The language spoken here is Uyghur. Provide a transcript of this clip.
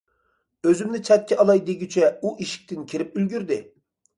ئۆزۈمنى چەتكە ئالاي دېگۈچە ئۇ ئىشىكتىن كىرىپ ئۈلگۈردى.